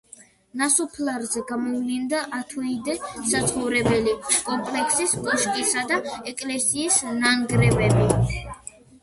ნასოფლარზე გამოვლინდა ათიოდე საცხოვრებელი კომპლექსის, კოშკისა და ეკლესიის ნანგრევები.